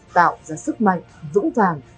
tạo ra sức mạnh dũng vàng